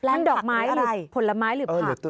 นั่นดอกไม้หรือผลไม้หรือผัก